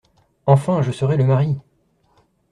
Enfin, je serais le mari !